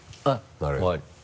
なるほど。